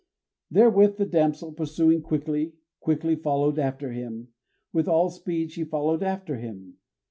Therewith the damsel, pursuing, quickly, quickly followed after him; with all speed she followed after him.